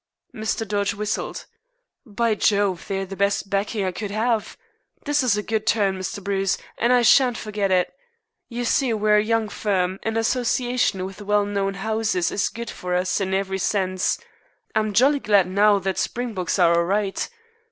Mr. Dodge whistled. "By Jove, they're the best backing I could have. This is a good turn, Mr. Bruce, and I shan't forget it. You see, we're a young firm, and association with well known houses is good for us in every sense. I'm jolly glad now that Springboks are all right.